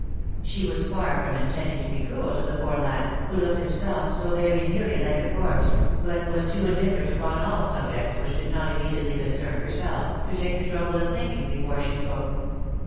She was far from intending to be cruel to the poor lad, who looked himself so very nearly like a corpse, but was too indifferent upon all subjects which did not imme diately concern herself, to take the trouble of thinking before she spoke.